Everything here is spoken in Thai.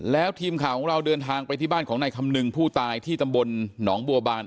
แล้วทีมข่าวของเราเดินทางไปที่บ้านของนายคำนึงผู้ตายที่ตำบลหนองบัวบาน